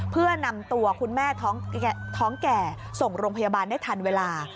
เพื่อนำตัวคุณแม่ท้องแก่ส่งโรงพยาบาลได้ทันเวลา